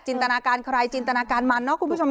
ตนาการใครจินตนาการมันเนาะคุณผู้ชม